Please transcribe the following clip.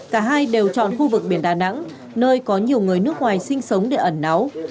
cả hai đều chọn khu vực biển đà nẵng nơi có nhiều người nước ngoài sinh sống để ẩn náu